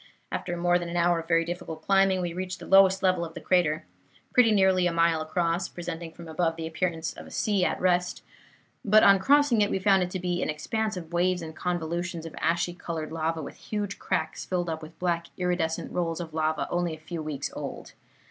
After more than an hour of very difficult climbing, we reached the lowest level of the crater, pretty nearly a mile across, presenting from above the appearance of a sea at rest; but on crossing it, we found it to be an expanse of waves and convolutions of ashy colored lava, with huge cracks filled up with black iridescent rolls of lava only a few weeks old.